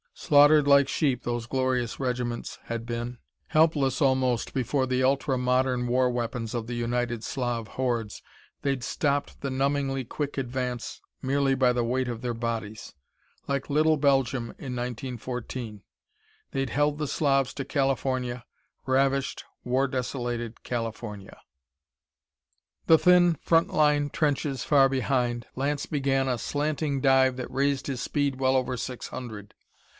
Slaughtered like sheep, those glorious regiments had been! Helpless, almost, before the ultra modern war weapons of the United Slav hordes, they'd stopped the numbingly quick advance merely by the weight of their bodies. Like little Belgium, in 1914. They'd held the Slavs to California, ravished, war desolated California. The thin front line trenches far behind, Lance began a slanting dive that raised his speed well over six hundred.